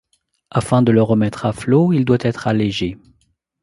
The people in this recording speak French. Afin de le remettre à flot, il doit être allégé.